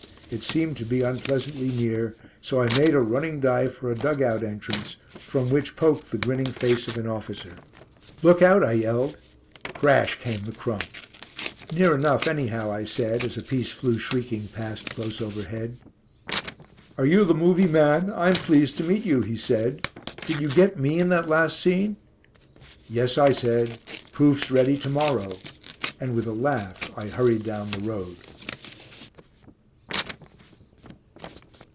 It seemed to be unpleasantly near, so I made a running dive for a dug out entrance, from which poked the grinning face of an officer. "Look out," I yelled. Crash came the crump. "Near enough anyhow," I said, as a piece flew shrieking past close overhead. "Are you the 'movie' man? I'm pleased to meet you," he said. "Did you get me in that last scene?" "Yes," I said. "Proofs ready to morrow." And with a laugh I hurried down the road.